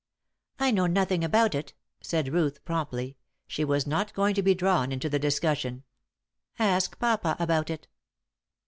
"I know nothing about it," said Ruth, promptly; she was not going to be drawn into the discussion. "Ask papa about it."